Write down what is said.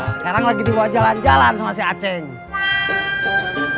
sekarang lagi dua jalan jalan sama si aceh